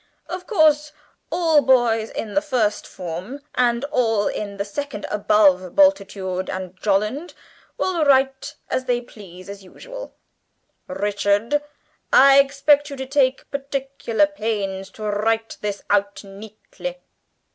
Of course all boys in the first form, and all in the second above Bultitude and Jolland, will write as they please, as usual. Richard, I expect you to take particular pains to write this out neatly.